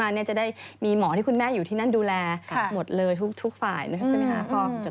พอตื่นขึ้นมาจะได้มีหมอที่คุณแม่อยู่ที่นั่นดูแลหมดเลยทุกฝ่ายใช่ไหมครับ